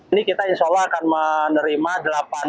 ini kita insya allah akan menerima